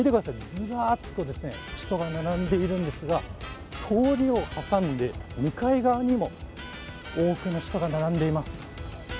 ずらっと人が並んでいるんですが、通りを挟んで向かい側にも多くの人が並んでいます。